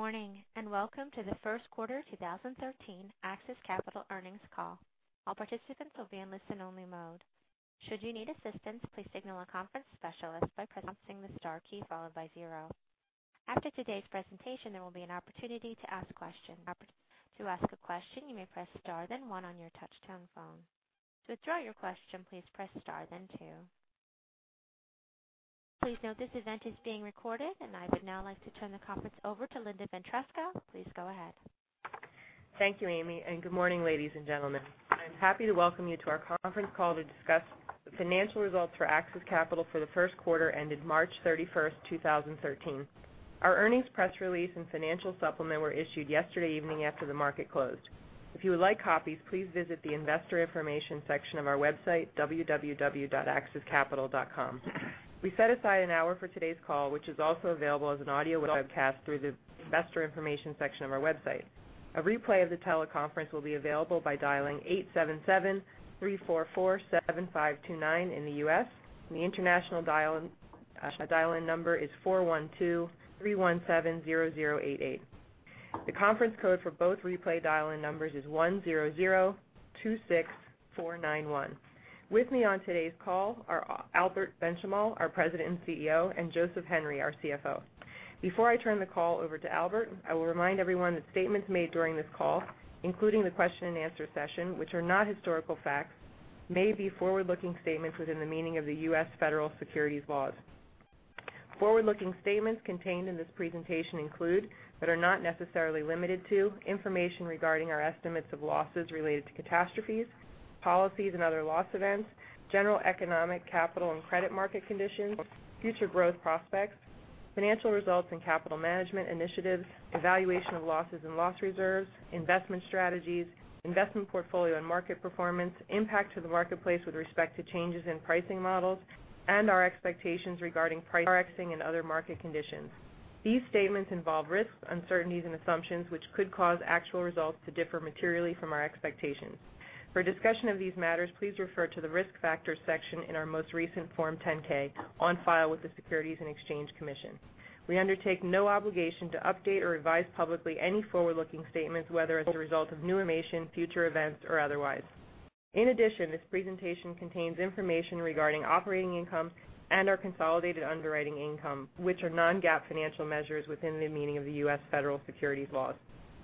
Good morning, welcome to the first quarter 2013 AXIS Capital earnings call. All participants will be in listen only mode. Should you need assistance, please signal a conference specialist by pressing the star key followed by zero. After today's presentation, there will be an opportunity to ask questions. To ask a question, you may press star then one on your touch-tone phone. To withdraw your question, please press star then two. Please note this event is being recorded. I would now like to turn the conference over to Linda Ventresca. Please go ahead. Thank you, Amy. Good morning, ladies and gentlemen. I'm happy to welcome you to our conference call to discuss the financial results for AXIS Capital for the first quarter ended March 31st 2013. Our earnings press release and financial supplement were issued yesterday evening after the market closed. If you would like copies, please visit the investor information section of our website, www.axiscapital.com. We set aside an hour for today's call, which is also available as an audio webcast through the investor information section of our website. A replay of the teleconference will be available by dialing 877-344-7529 in the U.S. The international dial-in number is 412-317-0088. The conference code for both replay dial-in numbers is 10026491. With me on today's call are Albert Benchimol, our President and CEO, and Joseph Henry, our CFO. Before I turn the call over to Albert, I will remind everyone that statements made during this call, including the question and answer session, which are not historical facts, may be forward-looking statements within the meaning of the U.S. Federal Securities laws. Forward-looking statements contained in this presentation include, but are not necessarily limited to, information regarding our estimates of losses related to catastrophes, policies and other loss events, general economic, capital, and credit market conditions, future growth prospects, financial results and capital management initiatives, evaluation of losses and loss reserves, investment strategies, investment portfolio and market performance, impact to the marketplace with respect to changes in pricing models, and our expectations regarding pricing and other market conditions. These statements involve risks, uncertainties, and assumptions, which could cause actual results to differ materially from our expectations. For a discussion of these matters, please refer to the risk factors section in our most recent Form 10-K on file with the Securities and Exchange Commission. We undertake no obligation to update or revise publicly any forward-looking statements, whether as a result of new information, future events, or otherwise. In addition, this presentation contains information regarding operating income and our consolidated underwriting income, which are non-GAAP financial measures within the meaning of the U.S. federal securities laws.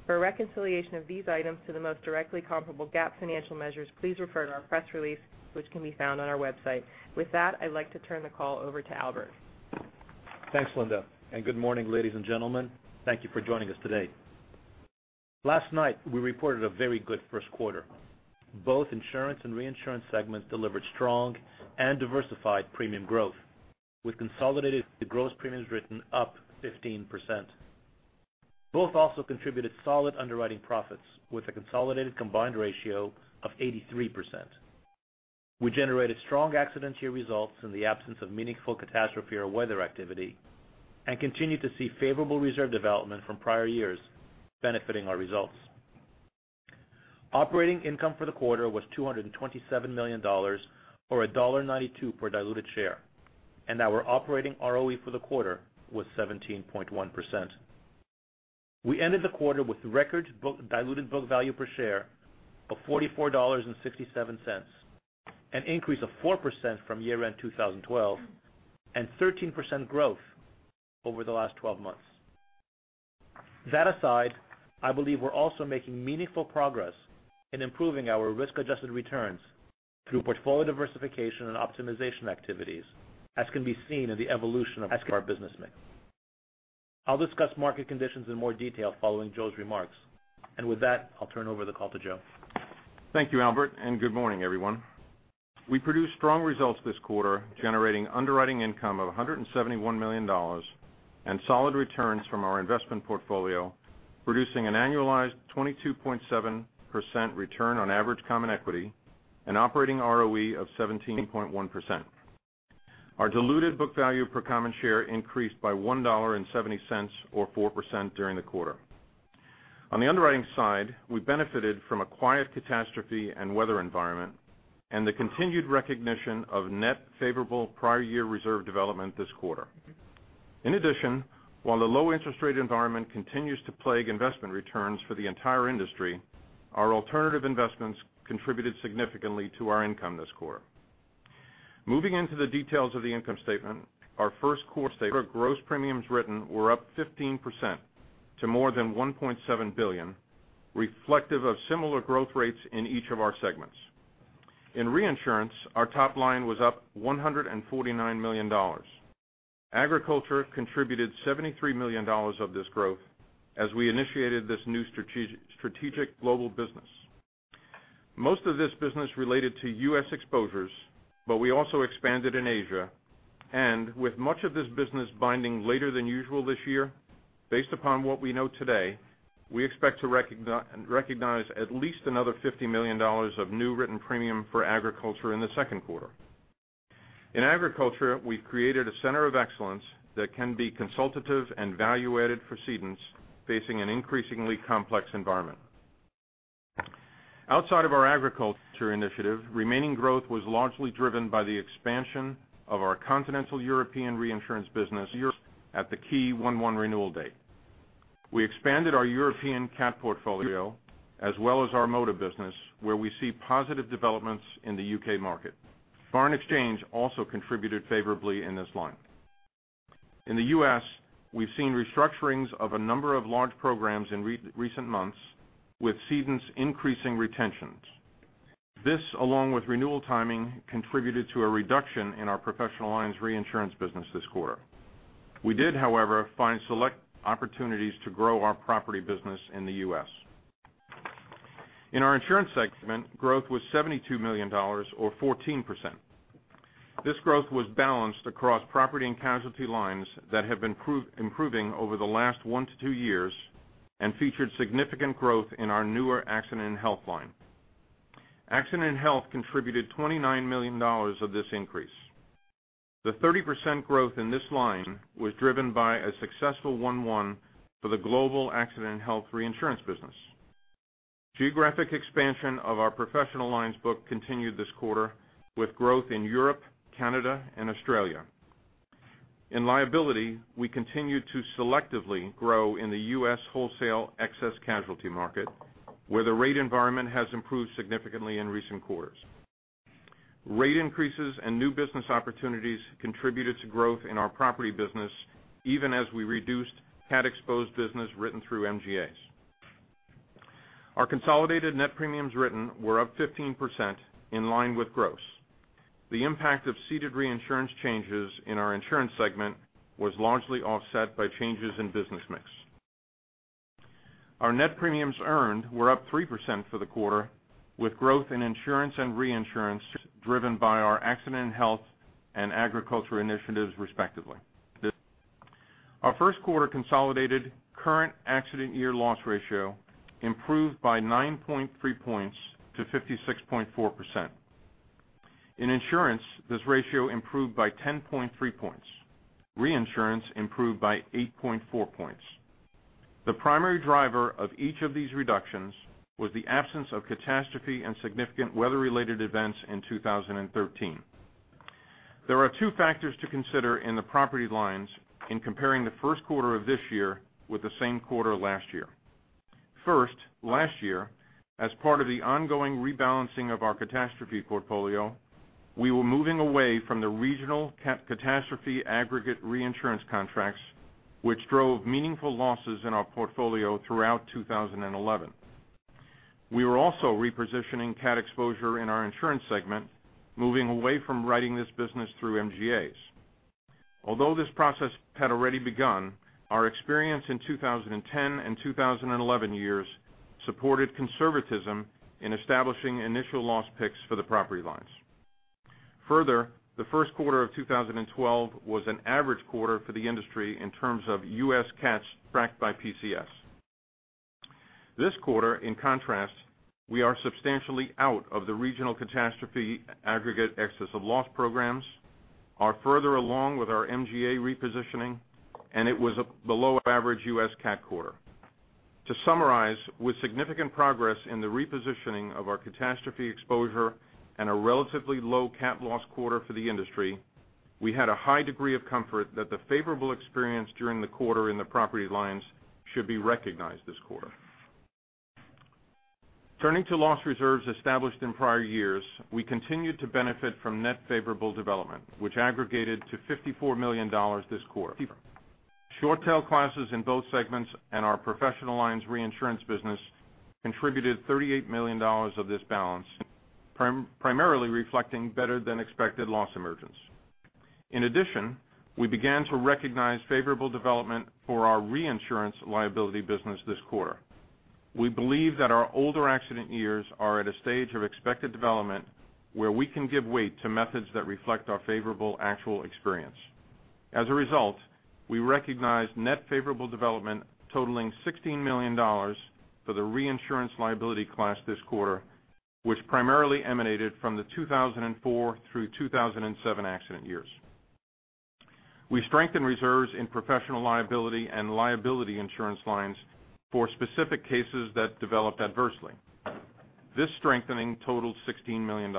For a reconciliation of these items to the most directly comparable GAAP financial measures, please refer to our press release, which can be found on our website. With that, I'd like to turn the call over to Albert. Thanks, Linda, good morning, ladies and gentlemen. Thank you for joining us today. Last night we reported a very good first quarter. Both insurance and reinsurance segments delivered strong and diversified premium growth, with consolidated gross premiums written up 15%. Both also contributed solid underwriting profits with a consolidated combined ratio of 83%. We generated strong accident year results in the absence of meaningful catastrophe or weather activity and continued to see favorable reserve development from prior years benefiting our results. Operating income for the quarter was $227 million, or $1.92 per diluted share. Our operating ROE for the quarter was 17.1%. We ended the quarter with record diluted book value per share of $44.67, an increase of 4% from year-end 2012 and 13% growth over the last 12 months. That aside, I believe we're also making meaningful progress in improving our risk-adjusted returns through portfolio diversification and optimization activities, as can be seen in the evolution of our business mix. I'll discuss market conditions in more detail following Joe's remarks. With that, I'll turn over the call to Joe. Thank you, Albert, good morning, everyone. We produced strong results this quarter, generating underwriting income of $171 million and solid returns from our investment portfolio, producing an annualized 22.7% return on average common equity, an operating ROE of 17.1%. Our diluted book value per common share increased by $1.70 or 4% during the quarter. On the underwriting side, we benefited from a quiet catastrophe and weather environment and the continued recognition of net favorable prior year reserve development this quarter. In addition, while the low interest rate environment continues to plague investment returns for the entire industry, our alternative investments contributed significantly to our income this quarter. Moving into the details of the income statement, our first quarter gross premiums written were up 15% to more than $1.7 billion, reflective of similar growth rates in each of our segments. In reinsurance, our top line was up $149 million. Agriculture contributed $73 million of this growth as we initiated this new strategic global business. Most of this business related to U.S. exposures, but we also expanded in Asia, with much of this business binding later than usual this year, based upon what we know today, we expect to recognize at least another $50 million of new written premium for agriculture in the second quarter. In agriculture, we've created a center of excellence that can be consultative and value-added for cedents facing an increasingly complex environment. Outside of our agriculture initiative, remaining growth was largely driven by the expansion of our continental European reinsurance business at the key 1/1 renewal date. We expanded our European CAT portfolio as well as our motor business, where we see positive developments in the U.K. market. Foreign exchange also contributed favorably in this line. In the U.S., we've seen restructurings of a number of large programs in recent months, with cedents increasing retentions. This, along with renewal timing, contributed to a reduction in our professional lines reinsurance business this quarter. We did, however, find select opportunities to grow our property business in the U.S. In our insurance segment, growth was $72 million, or 14%. This growth was balanced across property and casualty lines that have been improving over the last one to two years and featured significant growth in our newer accident and health line. Accident and health contributed $29 million of this increase. The 30% growth in this line was driven by a successful 1/1 for the global accident and health reinsurance business. Geographic expansion of our professional lines book continued this quarter with growth in Europe, Canada, and Australia. In liability, we continued to selectively grow in the U.S. wholesale excess casualty market, where the rate environment has improved significantly in recent quarters. Rate increases and new business opportunities contributed to growth in our property business even as we reduced CAT-exposed business written through MGAs. Our consolidated net premiums written were up 15%, in line with gross. The impact of ceded reinsurance changes in our insurance segment was largely offset by changes in business mix. Our net premiums earned were up 3% for the quarter, with growth in insurance and reinsurance driven by our accident and health and agriculture initiatives, respectively. Our first quarter consolidated current accident year loss ratio improved by 9.3 points to 56.4%. In insurance, this ratio improved by 10.3 points. Reinsurance improved by 8.4 points. The primary driver of each of these reductions was the absence of catastrophe and significant weather-related events in 2013. There are two factors to consider in the property lines in comparing the first quarter of this year with the same quarter last year. First, last year, as part of the ongoing rebalancing of our catastrophe portfolio, we were moving away from the regional catastrophe aggregate reinsurance contracts, which drove meaningful losses in our portfolio throughout 2011. We were also repositioning CAT exposure in our insurance segment, moving away from writing this business through MGAs. Although this process had already begun, our experience in 2010 and 2011 years supported conservatism in establishing initial loss picks for the property lines. Further, the first quarter of 2012 was an average quarter for the industry in terms of U.S. CATs tracked by PCS. This quarter, in contrast, we are substantially out of the regional catastrophe aggregate excess of loss programs, are further along with our MGA repositioning, and it was a below-average U.S. CAT quarter. To summarize, with significant progress in the repositioning of our catastrophe exposure and a relatively low CAT loss quarter for the industry, we had a high degree of comfort that the favorable experience during the quarter in the property lines should be recognized this quarter. Turning to loss reserves established in prior years, we continued to benefit from net favorable development, which aggregated to $54 million this quarter. Short tail classes in both segments and our professional lines reinsurance business contributed $38 million of this balance, primarily reflecting better than expected loss emergence. In addition, we began to recognize favorable development for our reinsurance liability business this quarter. We believe that our older accident years are at a stage of expected development where we can give weight to methods that reflect our favorable actual experience. As a result, we recognized net favorable development totaling $16 million for the reinsurance liability class this quarter, which primarily emanated from the 2004 through 2007 accident years. We strengthened reserves in professional liability and liability insurance lines for specific cases that developed adversely. This strengthening totaled $16 million.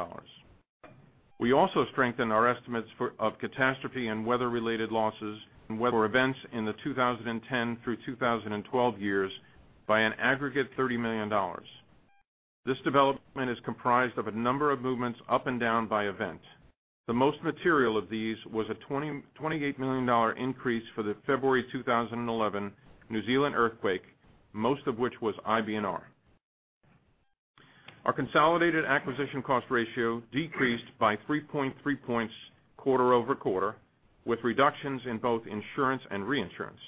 We also strengthened our estimates of catastrophe and weather-related losses for events in the 2010 through 2012 years by an aggregate $30 million. This development is comprised of a number of movements up and down by event. The most material of these was a $28 million increase for the February 2011 New Zealand earthquake, most of which was IBNR. Our consolidated acquisition cost ratio decreased by 3.3 points quarter-over-quarter, with reductions in both insurance and reinsurance.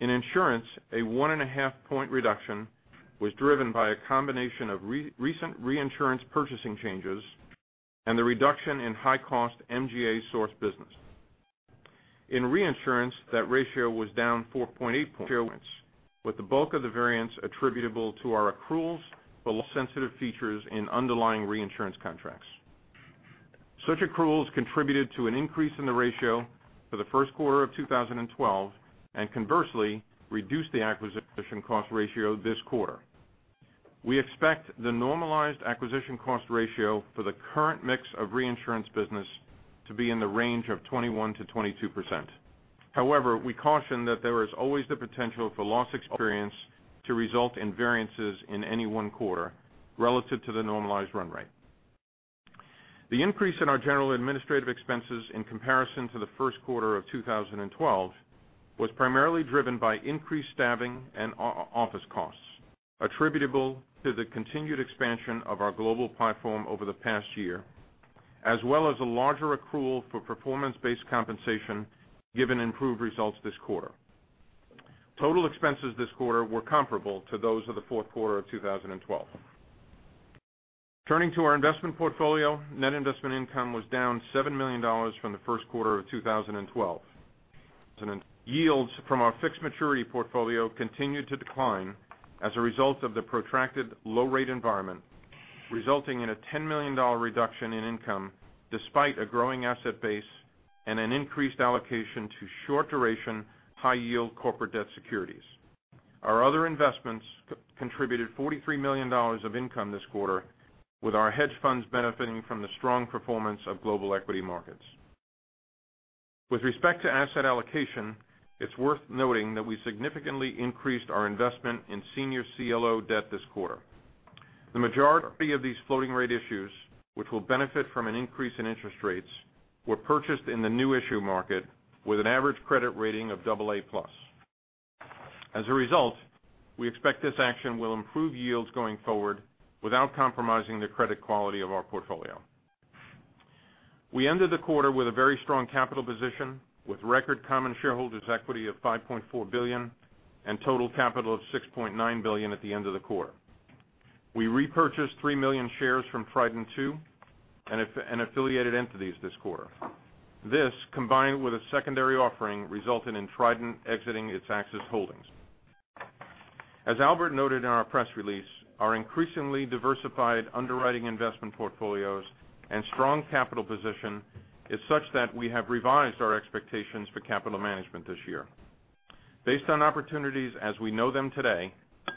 In insurance, a one and a half point reduction was driven by a combination of recent reinsurance purchasing changes and the reduction in high-cost MGA source business. In reinsurance, that ratio was down 4.8 points, with the bulk of the variance attributable to our accruals for loss-sensitive features in underlying reinsurance contracts. Such accruals contributed to an increase in the ratio for the first quarter of 2012, and conversely, reduced the acquisition cost ratio this quarter. We expect the normalized acquisition cost ratio for the current mix of reinsurance business to be in the range of 21%-22%. However, we caution that there is always the potential for loss experience to result in variances in any one quarter relative to the normalized run rate. The increase in our general administrative expenses in comparison to the first quarter of 2012 was primarily driven by increased staffing and office costs attributable to the continued expansion of our global platform over the past year, as well as a larger accrual for performance-based compensation given improved results this quarter. Total expenses this quarter were comparable to those of the fourth quarter of 2012. Turning to our investment portfolio, net investment income was down $7 million from the first quarter of 2012. Yields from our fixed maturity portfolio continued to decline as a result of the protracted low-rate environment, resulting in a $10 million reduction in income despite a growing asset base and an increased allocation to short duration, high yield corporate debt securities. Our other investments contributed $43 million of income this quarter with our hedge funds benefiting from the strong performance of global equity markets. With respect to asset allocation, it's worth noting that we significantly increased our investment in senior CLO debt this quarter. The majority of these floating rate issues, which will benefit from an increase in interest rates, were purchased in the new issue market with an average credit rating of double A plus. As a result, we expect this action will improve yields going forward without compromising the credit quality of our portfolio. We ended the quarter with a very strong capital position, with record common shareholders' equity of $5.4 billion and total capital of $6.9 billion at the end of the quarter. We repurchased 3 million shares from Trident II and affiliated entities this quarter. This, combined with a secondary offering, resulted in Trident exiting its AXIS holdings. As Albert Benchimol noted in our press release, our increasingly diversified underwriting investment portfolios and strong capital position is such that we have revised our expectations for capital management this year. Based on opportunities as we know them today,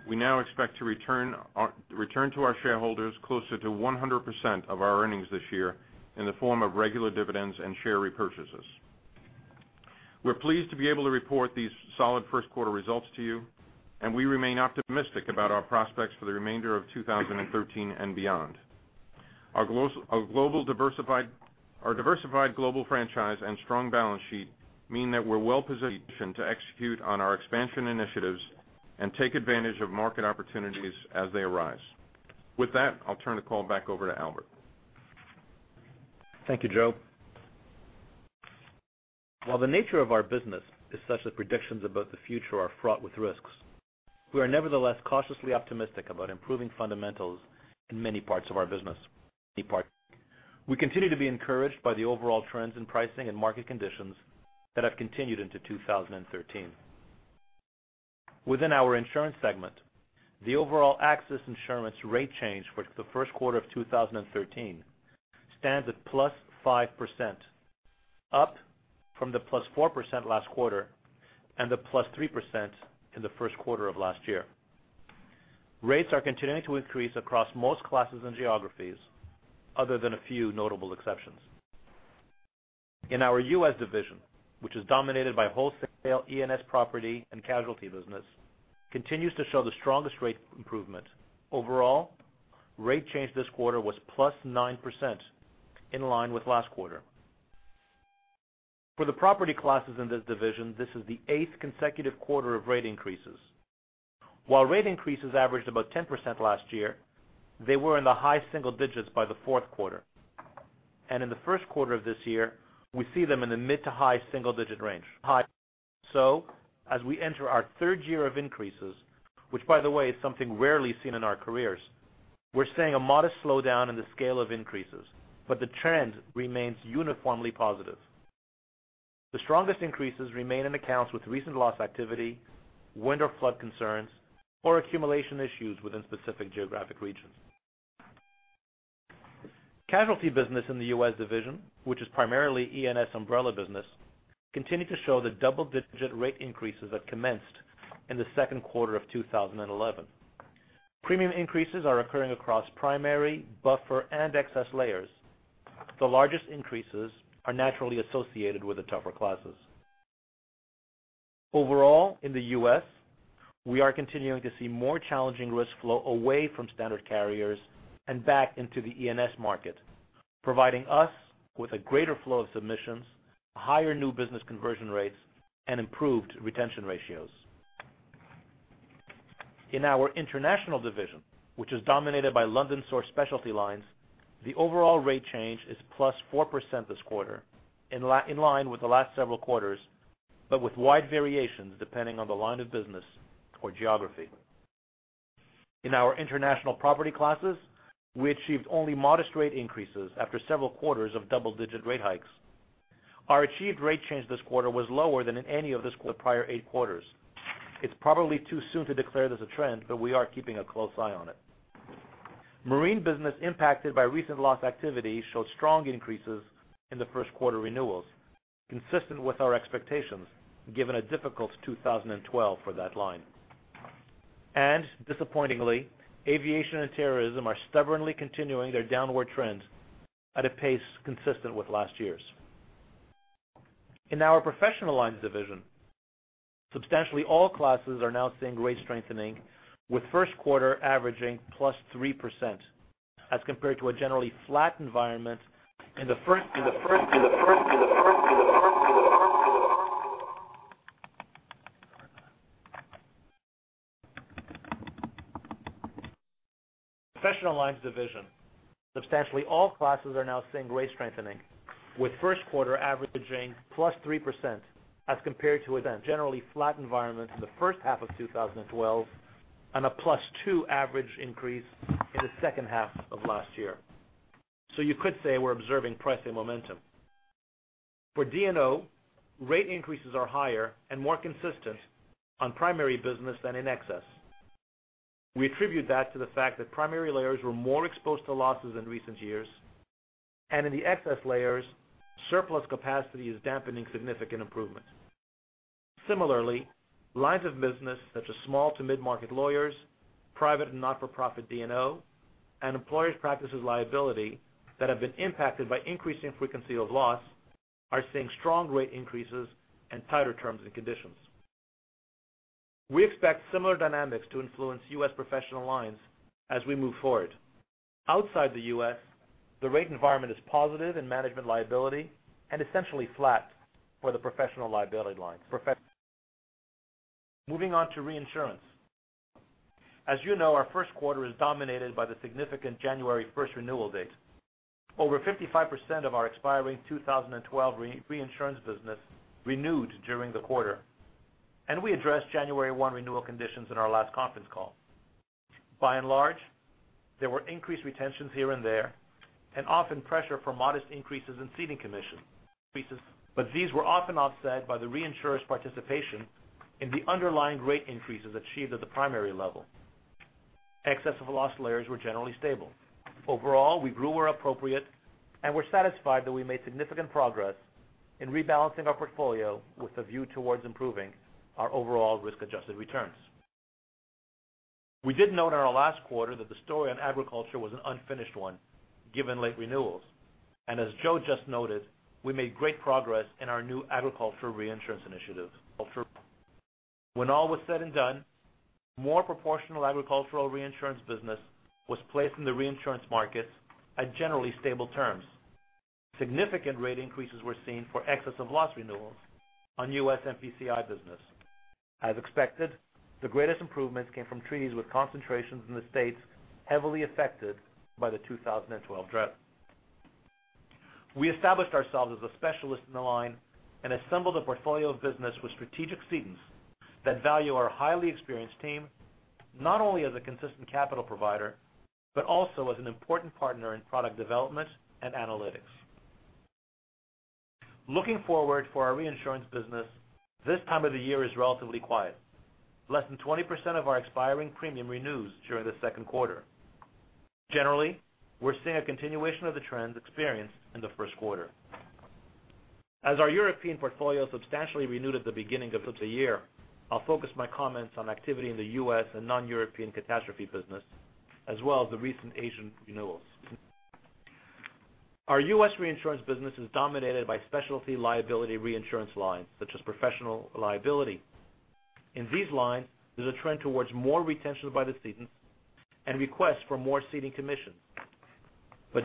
we now expect to return to our shareholders closer to 100% of our earnings this year in the form of regular dividends and share repurchases. We're pleased to be able to report these solid first quarter results to you, and we remain optimistic about our prospects for the remainder of 2013 and beyond. Our diversified global franchise and strong balance sheet mean that we're well positioned to execute on our expansion initiatives and take advantage of market opportunities as they arise. With that, I'll turn the call back over to Albert Benchimol. Thank you, Joe. While the nature of our business is such that predictions about the future are fraught with risks, we are nevertheless cautiously optimistic about improving fundamentals in many parts of our business. We continue to be encouraged by the overall trends in pricing and market conditions that have continued into 2013. Within our insurance segment, the overall AXIS Insurance rate change for the first quarter of 2013 stands at +5%, up from the +4% last quarter and the +3% in the first quarter of last year. Rates are continuing to increase across most classes and geographies, other than a few notable exceptions. In our U.S. division, which is dominated by wholesale E&S property and casualty business, continues to show the strongest rate improvement. Overall, rate change this quarter was +9%, in line with last quarter. For the property classes in this division, this is the eighth consecutive quarter of rate increases. While rate increases averaged about 10% last year, they were in the high single digits by the fourth quarter. In the first quarter of this year, we see them in the mid to high single digit range. As we enter our third year of increases, which by the way, is something rarely seen in our careers, we're seeing a modest slowdown in the scale of increases, but the trend remains uniformly positive. The strongest increases remain in accounts with recent loss activity, wind or flood concerns, or accumulation issues within specific geographic regions. Casualty business in the U.S. division, which is primarily E&S umbrella business, continued to show the double-digit rate increases that commenced in the second quarter of 2011. Premium increases are occurring across primary, buffer, and excess layers. The largest increases are naturally associated with the tougher classes. Overall, in the U.S., we are continuing to see more challenging risk flow away from standard carriers and back into the E&S market, providing us with a greater flow of submissions, higher new business conversion rates, and improved retention ratios. In our international division, which is dominated by London source specialty lines, the overall rate change is +4% this quarter, in line with the last several quarters, but with wide variations depending on the line of business or geography. In our international property classes, we achieved only modest rate increases after several quarters of double-digit rate hikes. Our achieved rate change this quarter was lower than in any of the prior eight quarters. It's probably too soon to declare there's a trend, but we are keeping a close eye on it. Marine business impacted by recent loss activity showed strong increases in the first quarter renewals, consistent with our expectations, given a difficult 2012 for that line. Disappointingly, aviation and terrorism are stubbornly continuing their downward trend at a pace consistent with last year's. In our professional lines division, substantially all classes are now seeing rate strengthening, with first quarter averaging +3%, as compared to a generally flat environment in the first professional lines division. Substantially all classes are now seeing rate strengthening, with first quarter averaging +3%, as compared to a generally flat environment in the first half of 2012 and a +2 average increase in the second half of last year. You could say we're observing pricing momentum. For D&O, rate increases are higher and more consistent on primary business than in excess. We attribute that to the fact that primary layers were more exposed to losses in recent years, and in the excess layers, surplus capacity is dampening significant improvement. Similarly, lines of business such as small to mid-market lawyers, private and not-for-profit D&O, and employers' practices liability that have been impacted by increasing frequency of loss are seeing strong rate increases and tighter terms and conditions. We expect similar dynamics to influence U.S. professional lines as we move forward. Outside the U.S., the rate environment is positive in management liability and essentially flat for the professional liability lines. Moving on to reinsurance. As you know, our first quarter is dominated by the significant January 1st renewal date. Over 55% of our expiring 2012 reinsurance business renewed during the quarter, and we addressed January 1 renewal conditions in our last conference call. By and large, there were increased retentions here and there, and often pressure for modest increases in ceding commission. These were often offset by the reinsurers' participation in the underlying rate increases achieved at the primary level. Excess of loss layers were generally stable. Overall, we grew where appropriate and we're satisfied that we made significant progress in rebalancing our portfolio with a view towards improving our overall risk-adjusted returns. We did note in our last quarter that the story on agriculture was an unfinished one given late renewals. As Joe just noted, we made great progress in our new agriculture reinsurance initiatives. When all was said and done, more proportional agricultural reinsurance business was placed in the reinsurance markets at generally stable terms. Significant rate increases were seen for excess of loss renewals on U.S. MPCI business. As expected, the greatest improvements came from treaties with concentrations in the states heavily affected by the 2012 drought. We established ourselves as a specialist in the line and assembled a portfolio of business with strategic cedents that value our highly experienced team, not only as a consistent capital provider, but also as an important partner in product development and analytics. Looking forward for our reinsurance business, this time of the year is relatively quiet. Less than 20% of our expiring premium renews during the second quarter. Generally, we're seeing a continuation of the trends experienced in the first quarter. As our European portfolio substantially renewed at the beginning of the year, I'll focus my comments on activity in the U.S. and non-European catastrophe business, as well as the recent Asian renewals. Our U.S. reinsurance business is dominated by specialty liability reinsurance lines such as professional liability. In these lines, there's a trend towards more retention by the cedents and requests for more ceding commissions.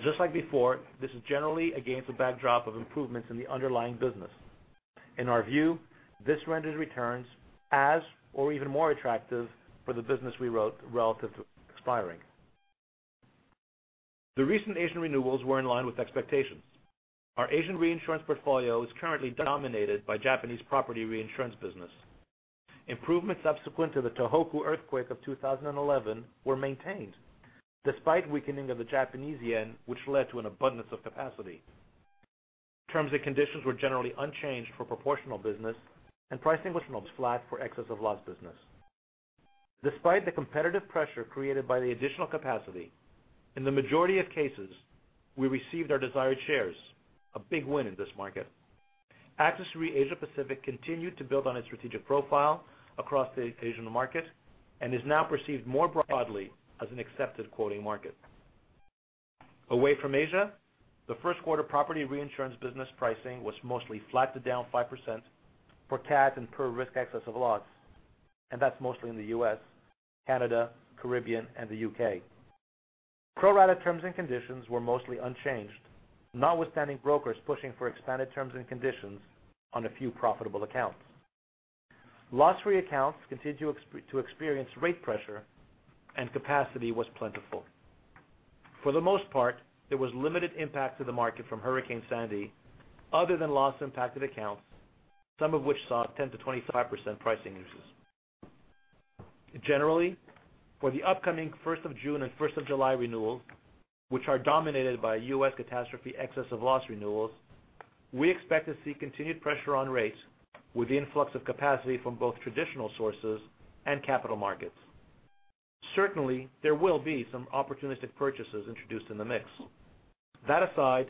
Just like before, this is generally against a backdrop of improvements in the underlying business. In our view, this renders returns as or even more attractive for the business we wrote relative to expiring. The recent Asian renewals were in line with expectations. Our Asian reinsurance portfolio is currently dominated by Japanese property reinsurance business. Improvements subsequent to the Tohoku earthquake of 2011 were maintained, despite weakening of the Japanese yen, which led to an abundance of capacity. Terms and conditions were generally unchanged for proportional business, and pricing was flat for excess of loss business. Despite the competitive pressure created by the additional capacity, in the majority of cases, we received our desired shares, a big win in this market. AXIS Re Asia Pacific continued to build on its strategic profile across the Asian market and is now perceived more broadly as an accepted quoting market. Away from Asia, the first quarter property reinsurance business pricing was mostly flat to down 5% for CAT and per risk excess of loss, and that's mostly in the U.S., Canada, Caribbean, and the U.K. Pro-rata terms and conditions were mostly unchanged, notwithstanding brokers pushing for expanded terms and conditions on a few profitable accounts. Loss reaccounts continued to experience rate pressure and capacity was plentiful. For the most part, there was limited impact to the market from Hurricane Sandy other than loss-impacted accounts, some of which saw 10%-25% pricing increases. Generally, for the upcoming 1st of June and 2nd of July renewals, which are dominated by U.S. catastrophe excess of loss renewals, we expect to see continued pressure on rates with the influx of capacity from both traditional sources and capital markets. Certainly, there will be some opportunistic purchases introduced in the mix. That aside,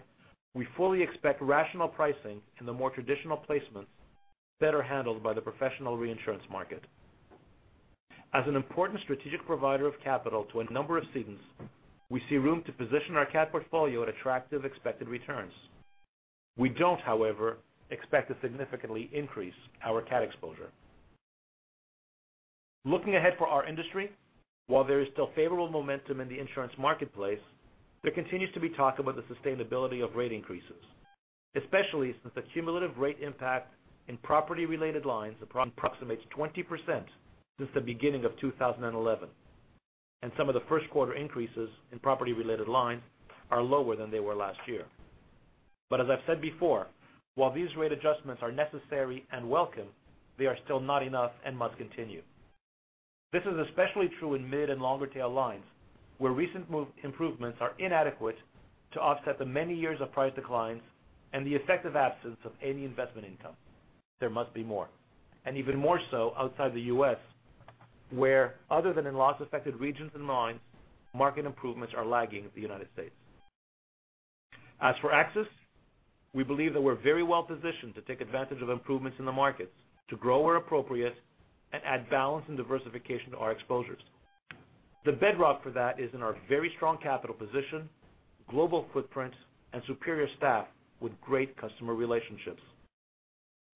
we fully expect rational pricing in the more traditional placements better handled by the professional reinsurance market. As an important strategic provider of capital to a number of cedents, we see room to position our CAT portfolio at attractive expected returns. We don't, however, expect to significantly increase our CAT exposure. Looking ahead for our industry, while there is still favorable momentum in the insurance marketplace, there continues to be talk about the sustainability of rate increases, especially since the cumulative rate impact in property-related lines approximates 20% since the beginning of 2011. Some of the first quarter increases in property-related lines are lower than they were last year. As I've said before, while these rate adjustments are necessary and welcome, they are still not enough and must continue. This is especially true in mid and longer tail lines, where recent improvements are inadequate to offset the many years of price declines and the effective absence of any investment income. There must be more, and even more so outside the U.S., where other than in loss-affected regions and lines, market improvements are lagging the United States. As for AXIS, we believe that we're very well positioned to take advantage of improvements in the markets to grow where appropriate and add balance and diversification to our exposures. The bedrock for that is in our very strong capital position, global footprint, and superior staff with great customer relationships.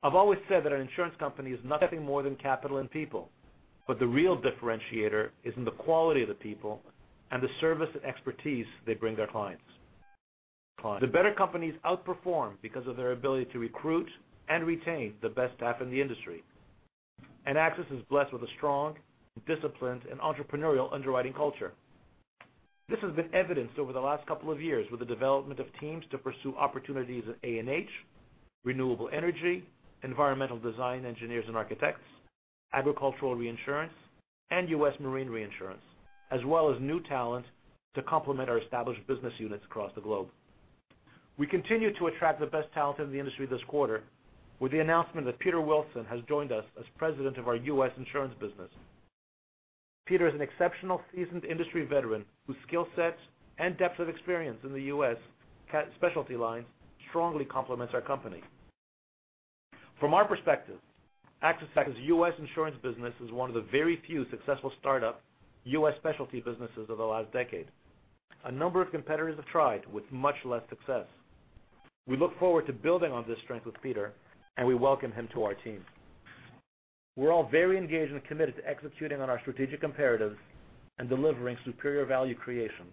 I've always said that an insurance company is nothing more than capital and people, but the real differentiator is in the quality of the people and the service and expertise they bring their clients. The better companies outperform because of their ability to recruit and retain the best staff in the industry. AXIS is blessed with a strong, disciplined, and entrepreneurial underwriting culture. This has been evidenced over the last couple of years with the development of teams to pursue opportunities in A&H, renewable energy, environmental design engineers and architects, agricultural reinsurance, and U.S. marine reinsurance, as well as new talent to complement our established business units across the globe. We continue to attract the best talent in the industry this quarter with the announcement that Peter Wilson has joined us as president of our U.S. insurance business. Peter is an exceptional, seasoned industry veteran whose skill sets and depth of experience in the U.S. CAT specialty lines strongly complements our company. From our perspective, AXIS's U.S. insurance business is one of the very few successful startup U.S. specialty businesses of the last decade. A number of competitors have tried with much less success. We look forward to building on this strength with Peter, and we welcome him to our team. We're all very engaged and committed to executing on our strategic imperatives and delivering superior value creation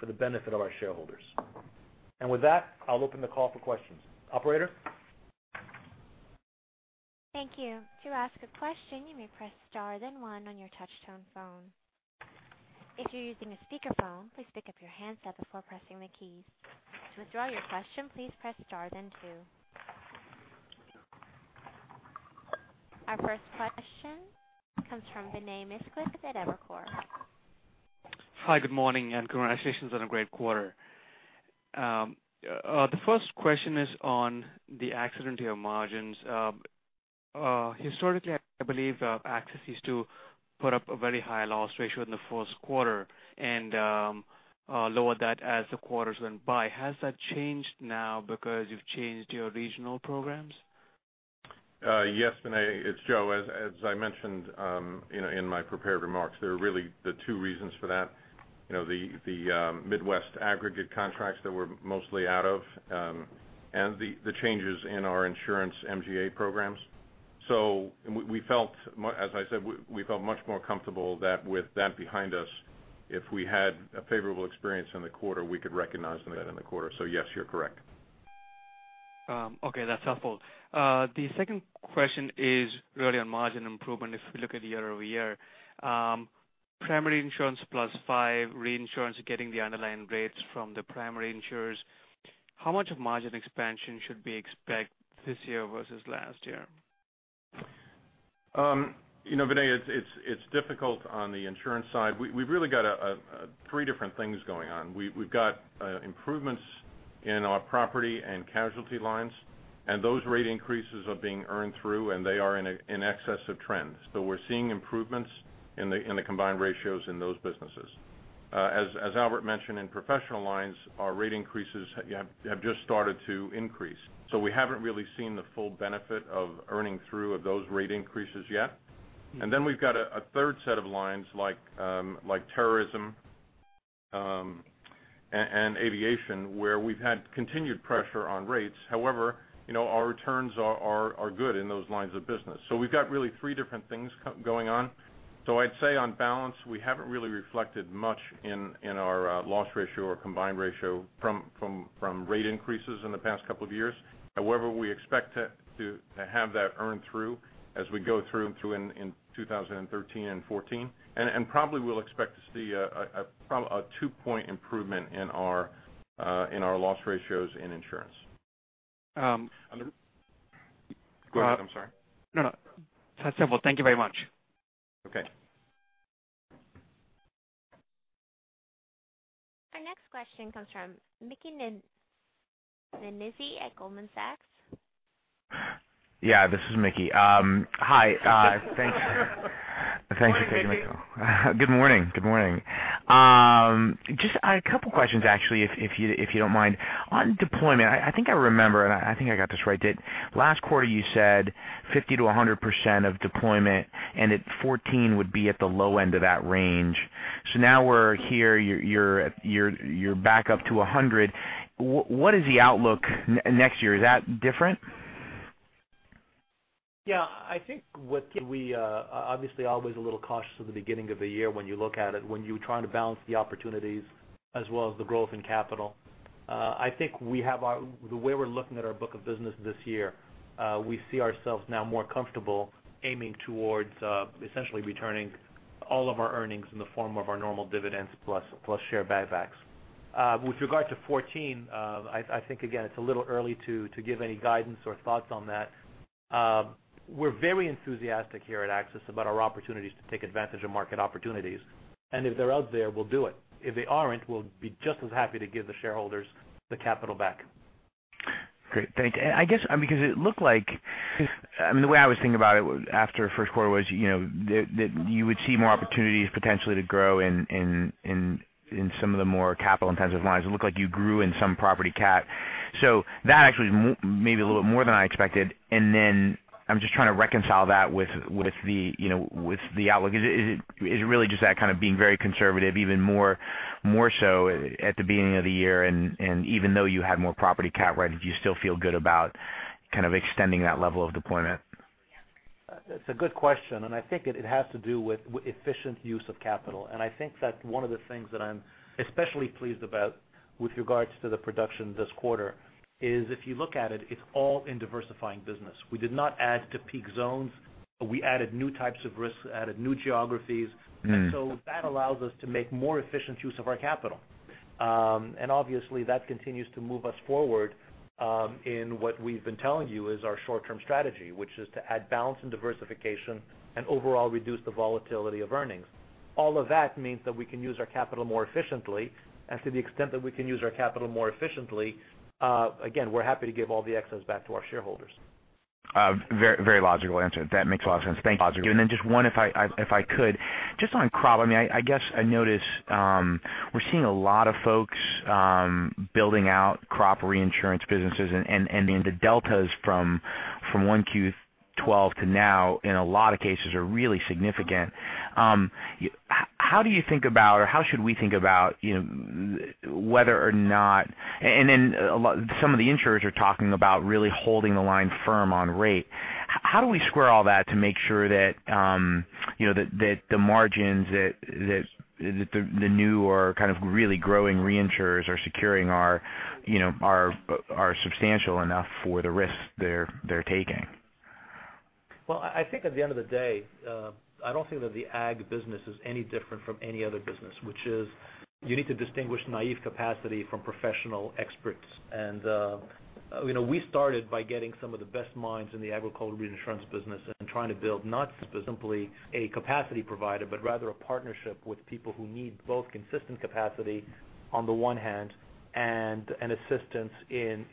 for the benefit of our shareholders. With that, I'll open the call for questions. Operator? Thank you. To ask a question, you may press star then one on your touch tone phone. If you're using a speakerphone, please pick up your handset before pressing the keys. To withdraw your question, please press star then two. Our first question comes from Vinay Misquith at Evercore. Hi, good morning, and congratulations on a great quarter. The first question is on the accident year margins. Historically, I believe AXIS used to put up a very high loss ratio in the first quarter and lower that as the quarters went by. Has that changed now because you've changed your regional programs? Yes, Vinay, it's Joe. As I mentioned in my prepared remarks, there are really the two reasons for that. The Midwest aggregate contracts that we're mostly out of and the changes in our insurance MGA programs. As I said, we felt much more comfortable that with that behind us, if we had a favorable experience in the quarter, we could recognize that in the quarter. Yes, you're correct. Okay, that's helpful. The second question is really on margin improvement if we look at year-over-year. Primary insurance plus five reinsurance getting the underlying rates from the primary insurers. How much of margin expansion should we expect this year versus last year? Vinay, it's difficult on the insurance side. We've really got three different things going on. We've got improvements in our property and casualty lines, and those rate increases are being earned through, and they are in excess of trends. We're seeing improvements in the combined ratios in those businesses. As Albert mentioned in professional lines, our rate increases have just started to increase. We haven't really seen the full benefit of earning through of those rate increases yet. Then we've got a third set of lines like terrorism and aviation, where we've had continued pressure on rates. However, our returns are good in those lines of business. We've got really three different things going on. I'd say on balance, we haven't really reflected much in our loss ratio or combined ratio from rate increases in the past couple of years. However, we expect to have that earn through as we go through in 2013 and 2014, and probably we'll expect to see a two-point improvement in our loss ratios in insurance. Go ahead. I'm sorry. No. That's simple. Thank you very much. Okay. Our next question comes from Michael Niedzwiecki at Goldman Sachs. Yeah, this is Mickey. Hi. Thanks for taking my call. Good morning. Just a couple questions, actually, if you don't mind. On deployment, I think I remember, and I think I got this right, that last quarter you said 50%-100% of deployment and that 2014 would be at the low end of that range. Now we're here. You're back up to 100%. What is the outlook next year? Is that different? I think we obviously are always a little cautious at the beginning of the year when you look at it, when you're trying to balance the opportunities as well as the growth in capital. I think the way we're looking at our book of business this year, we see ourselves now more comfortable aiming towards essentially returning all of our earnings in the form of our normal dividends plus share buybacks. With regard to 2014, I think, again, it's a little early to give any guidance or thoughts on that. We're very enthusiastic here at AXIS about our opportunities to take advantage of market opportunities. If they're out there, we'll do it. If they aren't, we'll be just as happy to give the shareholders the capital back. Great. Thanks. It looked like, the way I was thinking about it after first quarter was that you would see more opportunities potentially to grow in some of the more capital-intensive lines. It looked like you grew in some property CAT. That actually is maybe a little more than I expected. I'm just trying to reconcile that with the outlook. Is it really just that kind of being very conservative, even more so at the beginning of the year, and even though you had more property CAT writing, do you still feel good about kind of extending that level of deployment? It's a good question, and I think it has to do with efficient use of capital. I think that one of the things that I'm especially pleased about with regards to the production this quarter is if you look at it's all in diversifying business. We did not add to peak zones. We added new types of risks, added new geographies. That allows us to make more efficient use of our capital. Obviously that continues to move us forward in what we've been telling you is our short-term strategy, which is to add balance and diversification and overall reduce the volatility of earnings. All of that means that we can use our capital more efficiently, and to the extent that we can use our capital more efficiently, again, we're happy to give all the excess back to our shareholders. Very logical answer. That makes a lot of sense. Thank you. Just one if I could. Just on crop, I guess I notice we're seeing a lot of folks building out crop reinsurance businesses and the deltas from 1Q 2012 to now in a lot of cases are really significant. How do you think about or how should we think about whether or not Some of the insurers are talking about really holding the line firm on rate. How do we square all that to make sure that the margins that the new or kind of really growing reinsurers are securing are substantial enough for the risks they're taking? I think at the end of the day, I don't think that the ag business is any different from any other business, which is you need to distinguish naive capacity from professional experts. We started by getting some of the best minds in the agriculture reinsurance business and trying to build not simply a capacity provider, but rather a partnership with people who need both consistent capacity on the one hand and assistance in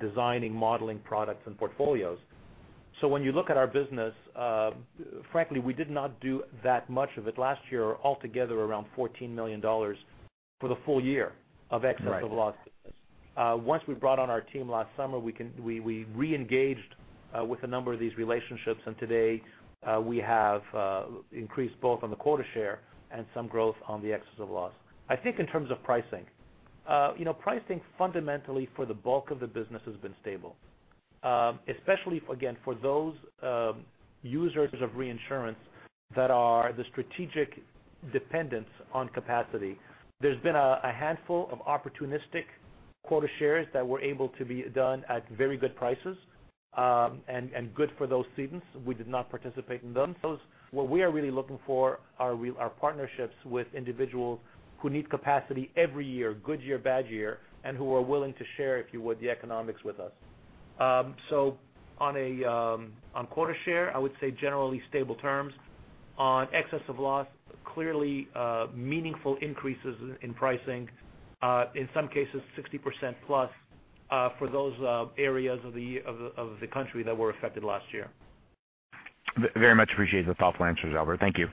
designing modeling products and portfolios. When you look at our business, frankly, we did not do that much of it last year altogether around $14 million for the full year of excess of loss business. Once we brought on our team last summer, we re-engaged with a number of these relationships, and today we have increased both on the quota share and some growth on the excess of loss. I think in terms of pricing. Pricing fundamentally for the bulk of the business has been stable. Especially again, for those users of reinsurance that are the strategic dependents on capacity. There's been a handful of opportunistic quota shares that were able to be done at very good prices, and good for those cedents. We did not participate in them. What we are really looking for are partnerships with individuals who need capacity every year, good year, bad year, and who are willing to share, if you would, the economics with us. On quota share, I would say generally stable terms. On excess of loss, clearly meaningful increases in pricing, in some cases 60%+ for those areas of the country that were affected last year. Very much appreciate the thoughtful answers, Albert. Thank you.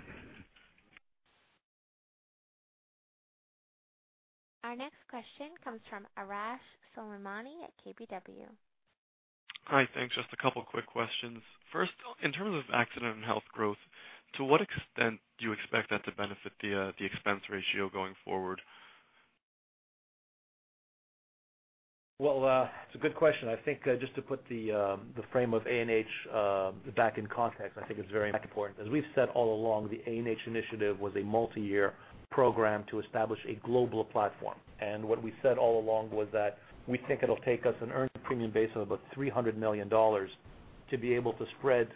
Our next question comes from Arash Soleimani at KBW. Hi, thanks. Just a couple quick questions. First, in terms of accident and health growth, to what extent do you expect that to benefit the expense ratio going forward? It's a good question. I think just to put the frame of A&H back in context, I think it's very important. As we've said all along, the A&H initiative was a multi-year program to establish a global platform. What we said all along was that we think it'll take us an earned premium base of about $300 million to be able to spread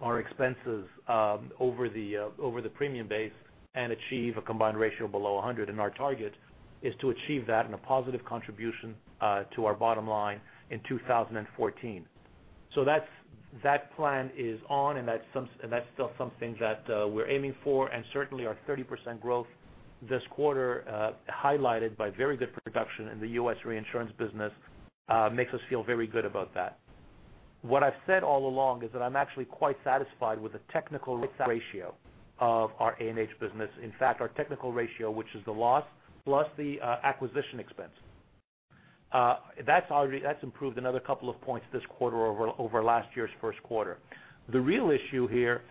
our expenses over the premium base and achieve a combined ratio below 100, and our target is to achieve that in a positive contribution to our bottom line in 2014. That plan is on and that's still something that we're aiming for, and certainly our 30% growth this quarter, highlighted by very good production in the U.S. reinsurance business, makes us feel very good about that. What I've said all along is that I'm actually quite satisfied with the technical ratio of our A&H business. In fact, our technical ratio, which is the loss plus the acquisition expense, that's improved another couple of points this quarter over last year's first quarter. The real issue here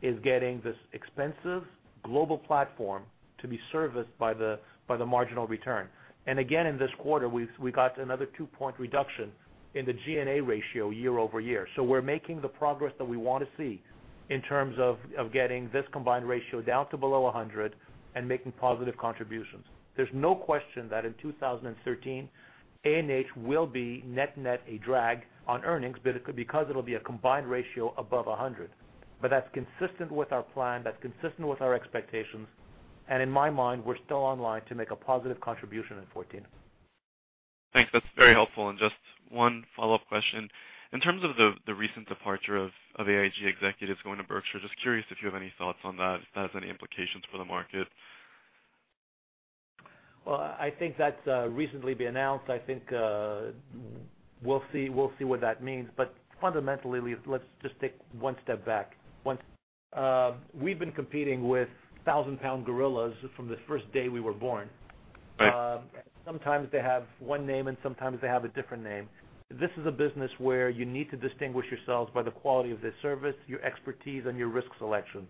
is getting this expensive global platform to be serviced by the marginal return. Again, in this quarter, we got another two-point reduction in the G&A ratio year-over-year. We're making the progress that we want to see in terms of getting this combined ratio down to below 100 and making positive contributions. There's no question that in 2013, A&H will be net net a drag on earnings, because it'll be a combined ratio above 100. That's consistent with our plan, that's consistent with our expectations, and in my mind, we're still on line to make a positive contribution in 2014. Thanks. That's very helpful, and just one follow-up question. In terms of the recent departure of AIG executives going to Berkshire, just curious if you have any thoughts on that, if that has any implications for the market. Well, I think that's recently been announced. I think we'll see what that means. Fundamentally, let's just take one step back. We've been competing with 1,000-pound gorillas from the first day we were born. Right. Sometimes they have one name, and sometimes they have a different name. This is a business where you need to distinguish yourselves by the quality of the service, your expertise, and your risk selection.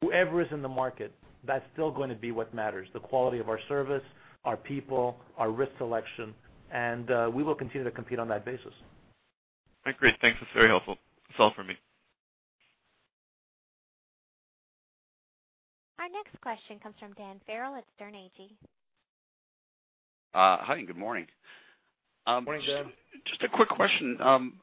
Whoever is in the market, that's still going to be what matters, the quality of our service, our people, our risk selection, and we will continue to compete on that basis. Great. Thanks. That's very helpful. That's all for me. Our next question comes from Dan Farrell at Sterne Agee. Hi, good morning. Morning, Dan. Just a quick question.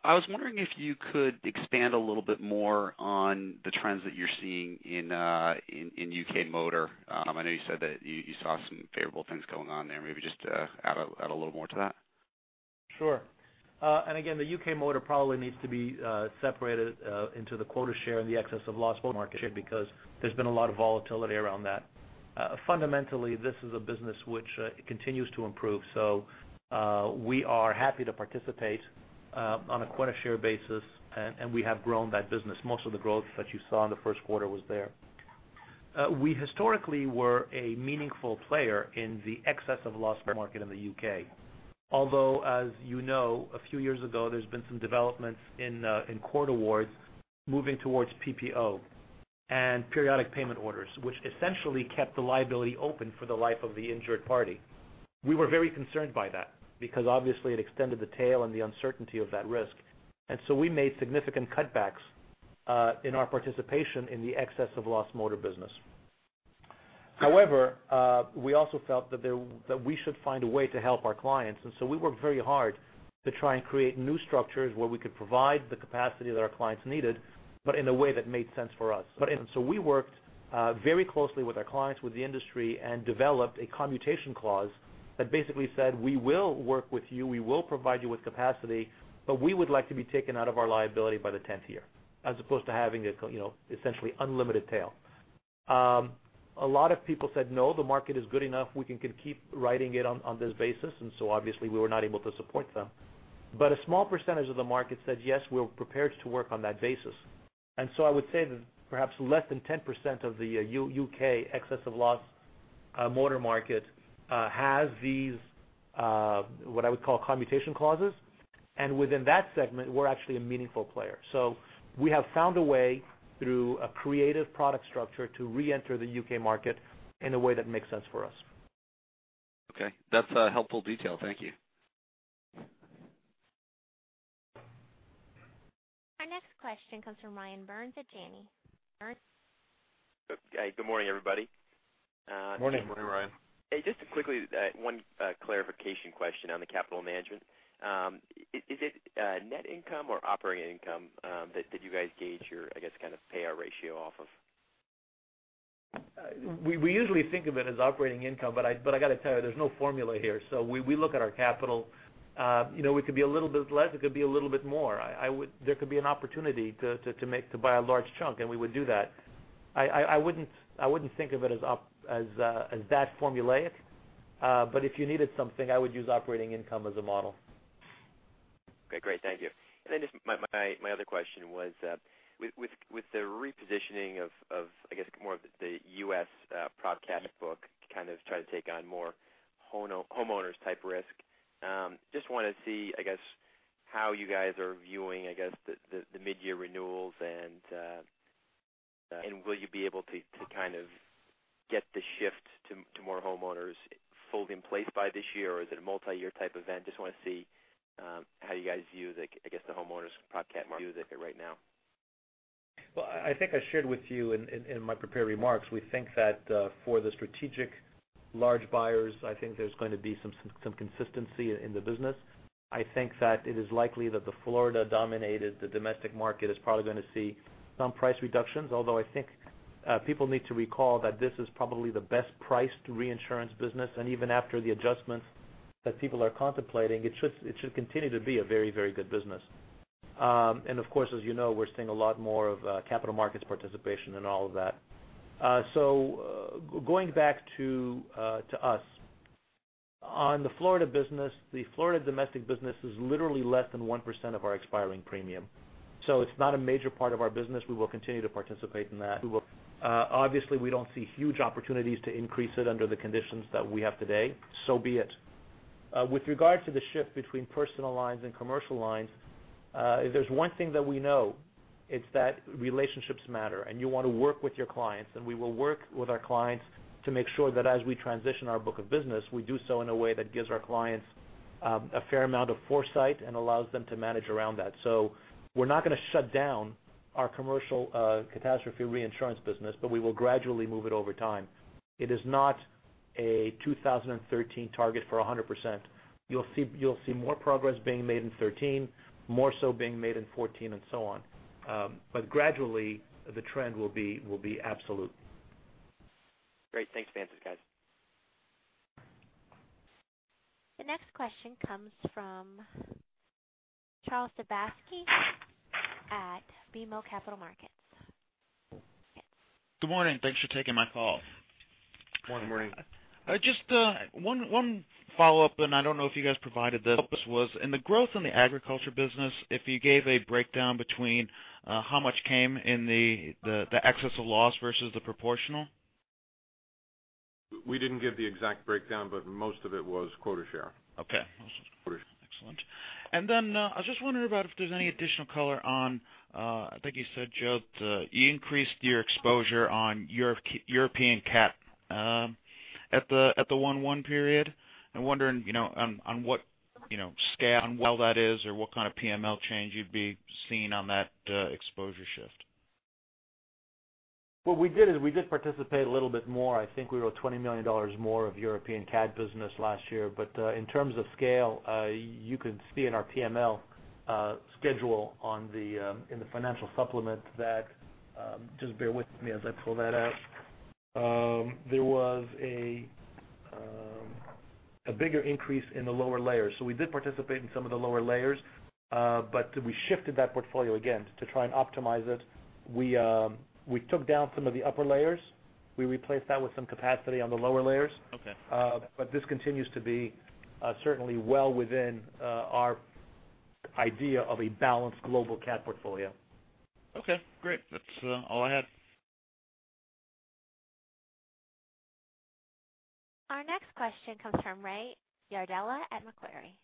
I was wondering if you could expand a little bit more on the trends that you're seeing in U.K. motor. I know you said that you saw some favorable things going on there. Maybe just add a little more to that. Sure. Again, the U.K. motor probably needs to be separated into the quota share and the excess of loss motor market share because there's been a lot of volatility around that. Fundamentally, this is a business which continues to improve. We are happy to participate on a quota share basis, and we have grown that business. Most of the growth that you saw in the first quarter was there. We historically were a meaningful player in the excess of loss per market in the U.K. Although, as you know, a few years ago, there's been some developments in court awards moving towards PPO and periodic payment orders, which essentially kept the liability open for the life of the injured party. We were very concerned by that because obviously it extended the tail and the uncertainty of that risk. We made significant cutbacks in our participation in the excess of loss motor business. However, we also felt that we should find a way to help our clients, and we worked very hard to try and create new structures where we could provide the capacity that our clients needed, but in a way that made sense for us. We worked very closely with our clients, with the industry, and developed a commutation clause that basically said, we will work with you, we will provide you with capacity, but we would like to be taken out of our liability by the 10th year, as opposed to having essentially unlimited tail. A lot of people said, "No, the market is good enough. We can keep writing it on this basis." Obviously we were not able to support them. A small percentage of the market said, "Yes, we're prepared to work on that basis." I would say that perhaps less than 10% of the U.K. excess of loss motor market has these, what I would call commutation clauses. Within that segment, we're actually a meaningful player. We have found a way through a creative product structure to reenter the U.K. market in a way that makes sense for us. Okay. That's a helpful detail. Thank you. Our next question comes from Ryan Burns at Janney. Burns? Good morning, everybody. Morning. Morning, Ryan. Hey, just quickly, one clarification question on the capital management. Is it net income or operating income that you guys gauge your, I guess, kind of payout ratio off of? We usually think of it as operating income, I got to tell you, there's no formula here. We look at our capital. It could be a little bit less, it could be a little bit more. There could be an opportunity to buy a large chunk, we would do that. I wouldn't think of it as that formulaic. If you needed something, I would use operating income as a model. Okay, great. Thank you. Just my other question was, with the repositioning of, I guess, more of the U.S. prop cat book to kind of try to take on more homeowners type risk, just want to see, I guess, how you guys are viewing, I guess, the mid-year renewals and will you be able to kind of get the shift to more homeowners fully in place by this year, or is it a multi-year type event? Just want to see how you guys view the, I guess the homeowners' property casualty market right now. Well, I think I shared with you in my prepared remarks, we think that for the strategic large buyers, I think there's going to be some consistency in the business. I think that it is likely that the Florida-dominated, the domestic market is probably going to see some price reductions. Although I think people need to recall that this is probably the best priced reinsurance business, even after the adjustments that people are contemplating, it should continue to be a very good business. Of course, as you know, we're seeing a lot more of capital markets participation in all of that. Going back to us. On the Florida business, the Florida domestic business is literally less than 1% of our expiring premium. It's not a major part of our business. We will continue to participate in that. Obviously, we don't see huge opportunities to increase it under the conditions that we have today. Be it. With regard to the shift between personal lines and commercial lines, if there's one thing that we know, it's that relationships matter, and you want to work with your clients, and we will work with our clients to make sure that as we transition our book of business, we do so in a way that gives our clients a fair amount of foresight and allows them to manage around that. We're not going to shut down our commercial catastrophe reinsurance business, but we will gradually move it over time. It is not a 2013 target for 100%. You'll see more progress being made in 2013, more so being made in 2014 and so on. Gradually, the trend will be absolute. Great. Thanks for the answers, guys. The next question comes from Charles Sebaski at BMO Capital Markets. Good morning. Thanks for taking my call. Good morning. Just one follow-up, I don't know if you guys provided this was, in the growth in the agriculture business, if you gave a breakdown between how much came in the excess of loss versus the proportional. We didn't give the exact breakdown, most of it was quota share. Okay. quota share. Excellent. I was just wondering about if there's any additional color on, I think you said, Joe, you increased your exposure on European CAT at the one one period. I'm wondering on what scale on how well that is or what kind of PML change you'd be seeing on that exposure shift. What we did is we did participate a little bit more. I think we wrote $20 million more of European CAT business last year. In terms of scale, you can see in our PML schedule in the financial supplement that, just bear with me as I pull that out. There was a bigger increase in the lower layers. We did participate in some of the lower layers, we shifted that portfolio again to try and optimize it. We took down some of the upper layers. We replaced that with some capacity on the lower layers. Okay. This continues to be certainly well within our idea of a balanced global CAT portfolio. Okay, great. That's all I had. Our next question comes from Ray Yardella at Macquarie.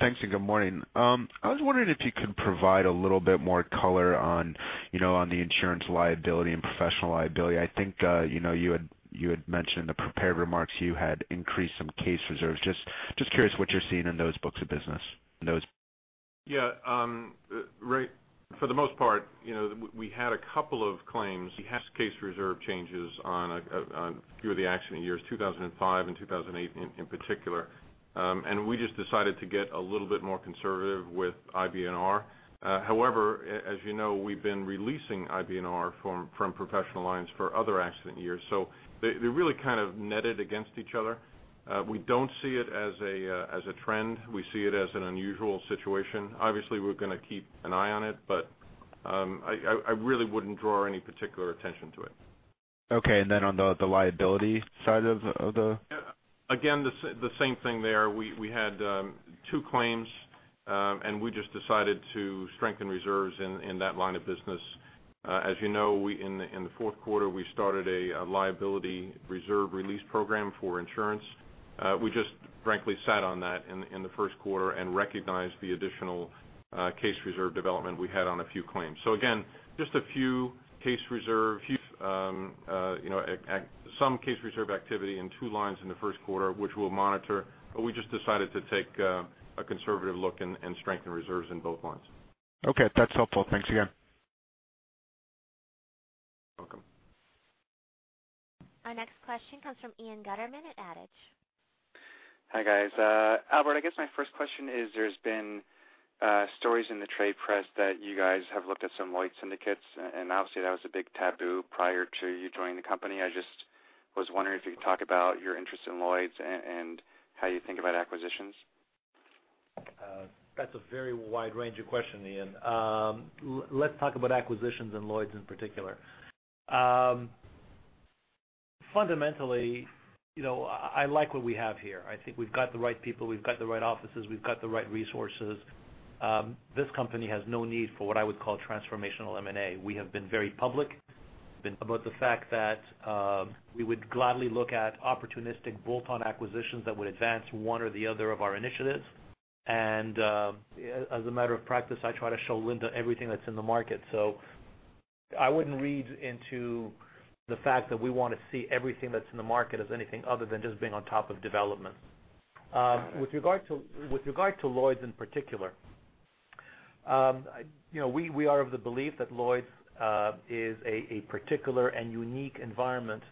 Thanks. Good morning. I was wondering if you could provide a little bit more color on the insurance liability and professional liability. I think you had mentioned the prepared remarks, you had increased some case reserves. Just curious what you're seeing in those books of business. Yeah. Ray, for the most part, we had a couple of claims. We have case reserve changes on a few of the accident years, 2005 and 2008 in particular. We just decided to get a little bit more conservative with IBNR. However, as you know, we've been releasing IBNR from professional lines for other accident years. They really kind of netted against each other. We don't see it as a trend. We see it as an unusual situation. Obviously, we're going to keep an eye on it, but I really wouldn't draw any particular attention to it. Okay, then on the liability side of the- the same thing there. We had two claims, and we just decided to strengthen reserves in that line of business. As you know, in the fourth quarter, we started a liability reserve release program for insurance. We just frankly sat on that in the first quarter and recognized the additional case reserve development we had on a few claims. Again, just a few case reserve, some case reserve activity in two lines in the first quarter, which we will monitor, but we just decided to take a conservative look and strengthen reserves in both lines. That's helpful. Thanks again. Welcome. Our next question comes from Ian Gutterman at Adage. Hi, guys. Albert, I guess my first question is there's been stories in the trade press that you guys have looked at some Lloyd's syndicates, obviously, that was a big taboo prior to you joining the company. I just was wondering if you could talk about your interest in Lloyd's and how you think about acquisitions. That's a very wide range of question, Ian. Let's talk about acquisitions in Lloyd's in particular. Fundamentally, I like what we have here. I think we've got the right people, we've got the right offices, we've got the right resources. This company has no need for what I would call transformational M&A. We have been very public about the fact that we would gladly look at opportunistic bolt-on acquisitions that would advance one or the other of our initiatives. As a matter of practice, I try to show Linda everything that's in the market. I wouldn't read into the fact that we want to see everything that's in the market as anything other than just being on top of development. With regard to Lloyd's in particular. We are of the belief that Lloyd's is a particular and unique environment,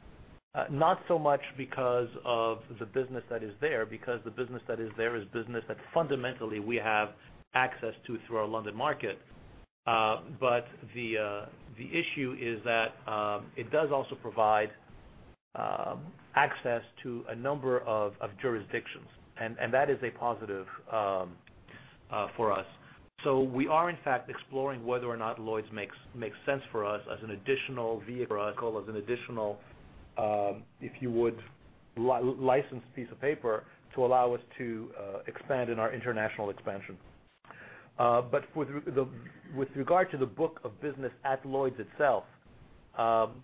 not so much because of the business that is there, because the business that is there is business that fundamentally we have access to through our London market. The issue is that it does also provide access to a number of jurisdictions, and that is a positive for us. We are, in fact, exploring whether or not Lloyd's makes sense for us as an additional vehicle, as an additional, if you would, licensed piece of paper to allow us to expand in our international expansion. With regard to the book of business at Lloyd's itself,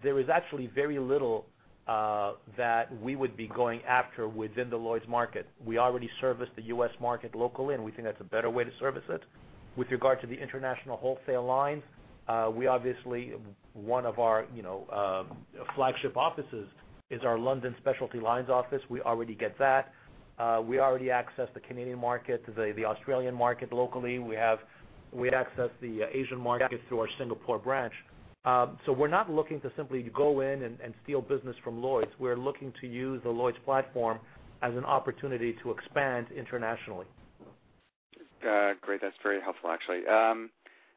there is actually very little that we would be going after within the Lloyd's market. We already service the U.S. market locally, and we think that's a better way to service it. With regard to the international wholesale lines, obviously one of our flagship offices is our London specialty lines office. We already get that. We already access the Canadian market, the Australian market locally. We access the Asian markets through our Singapore branch. We're not looking to simply go in and steal business from Lloyd's. We're looking to use the Lloyd's platform as an opportunity to expand internationally. Great. That's very helpful, actually.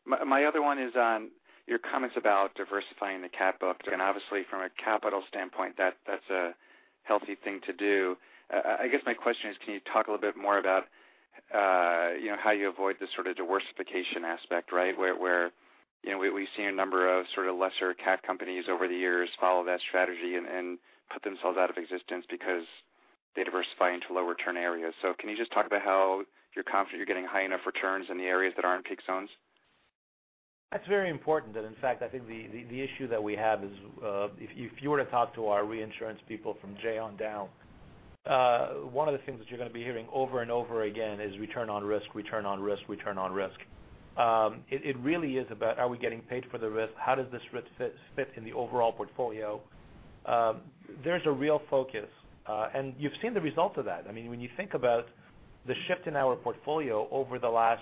My other one is on your comments about diversifying the CAT book. Obviously from a capital standpoint, that's a healthy thing to do. I guess my question is, can you talk a little bit more about how you avoid this sort of diworsification, right? Where we've seen a number of sort of lesser CAT companies over the years follow that strategy and put themselves out of existence because they diversify into lower return areas. Can you just talk about how you're confident you're getting high enough returns in the areas that are in peak zones? In fact, I think the issue that we have is if you were to talk to our reinsurance people from Jay on down, one of the things that you're going to be hearing over and over again is return on risk. It really is about are we getting paid for the risk? How does this risk fit in the overall portfolio? There's a real focus, and you've seen the result of that. You think about the shift in our portfolio over the last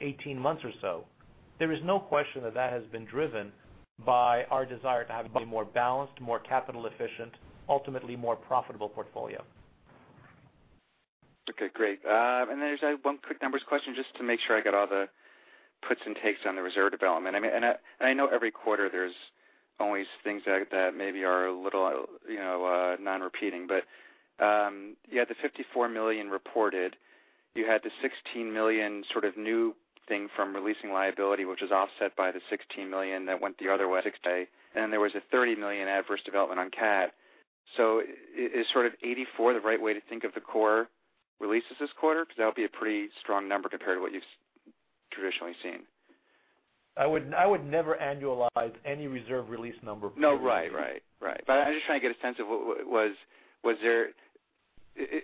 18 months or so, there is no question that that has been driven by our desire to have a more balanced, more capital efficient, ultimately more profitable portfolio. Okay, great. Then there's one quick numbers question just to make sure I got all the puts and takes on the reserve development. I know every quarter there's always things that maybe are a little non-repeating. You had the $54 million reported, you had the $16 million sort of new thing from releasing liability, which was offset by the $16 million that went the other way. Then there was a $30 million adverse development on CAT. Is sort of $84 the right way to think of the core releases this quarter? That would be a pretty strong number compared to what you've traditionally seen. I would never annualize any reserve release number. No, right. I'm just trying to get a sense of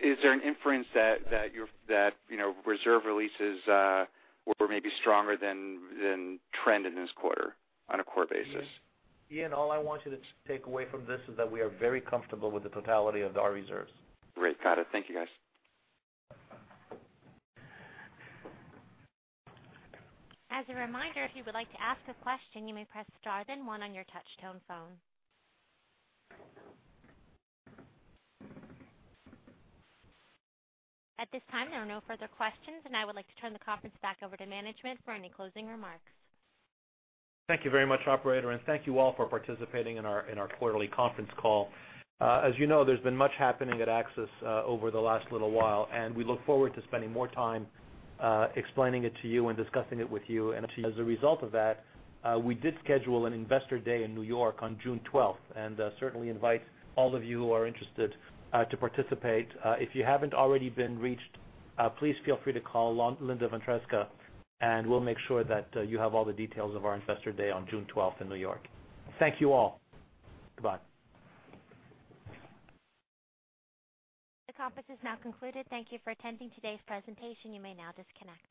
is there an inference that reserve releases were maybe stronger than trend in this quarter on a core basis? Ian, all I want you to take away from this is that we are very comfortable with the totality of our reserves. Great. Got it. Thank you, guys. As a reminder, if you would like to ask a question, you may press star then one on your touchtone phone. At this time, there are no further questions, I would like to turn the conference back over to management for any closing remarks. Thank you very much, operator, and thank you all for participating in our quarterly conference call. As you know, there's been much happening at AXIS over the last little while, and we look forward to spending more time explaining it to you and discussing it with you. As a result of that, we did schedule an investor day in New York on June twelfth, and certainly invite all of you who are interested to participate. If you haven't already been reached, please feel free to call Linda Ventresca, and we'll make sure that you have all the details of our investor day on June twelfth in New York. Thank you all. Goodbye. The conference is now concluded. Thank you for attending today's presentation. You may now disconnect.